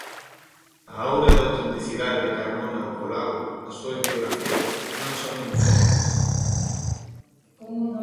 A aura de autenticidade de Carmona ou Colau, as súas biografías, non son indiferentes.